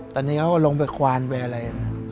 ตอนนี้เขาลงไปควานไปอะไรนะ